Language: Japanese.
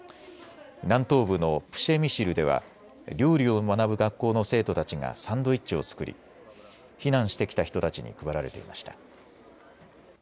南東部のプシェミシルでは料理を学ぶ学校の生徒たちがサンドイッチを作り避難してきた人たちに配られていました。